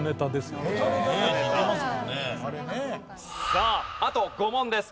さああと５問です。